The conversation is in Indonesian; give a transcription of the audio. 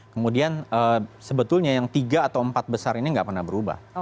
kemudian sebetulnya yang tiga atau empat besar ini nggak pernah berubah